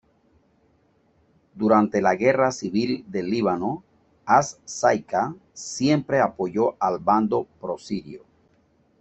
Durante la Guerra Civil del Líbano, "As-Saika" siempre apoyó al bando pro-sirio.